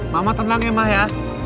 mama tenang ya mah ya